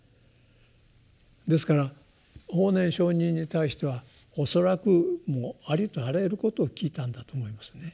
ですから法然上人に対しては恐らくもうありとあらゆることを聞いたんだと思いますね。